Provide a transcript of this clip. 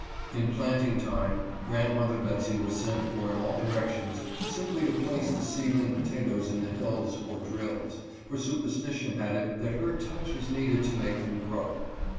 In planting time Grand mother Betsey was sent for in all directions, simply to place the seedling potatoes in the hills or drills ; for superstition had it that her touch was needed to make them grow.